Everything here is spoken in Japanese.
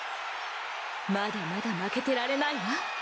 まだまだ負けてられないわ。